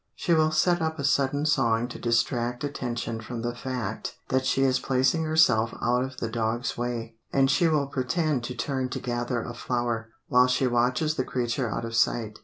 She will set up a sudden song to distract attention from the fact that she is placing herself out of the dog's way, and she will pretend to turn to gather a flower, while she watches the creature out of sight.